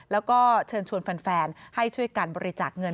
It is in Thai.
แล้วก็เชิญชวนแฟนให้ช่วยกันบริจาคเงิน